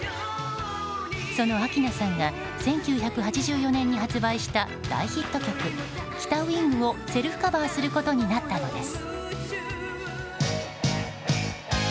その明菜さんが１９８４年に発売した大ヒット曲「北ウイング」をセルフカバーすることになったのです。